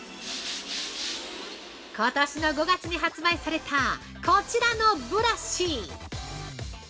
ことしの５月に発売されたこちらのブラシ。